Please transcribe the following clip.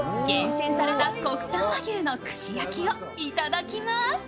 厳選された国産和牛の串焼きを頂きます！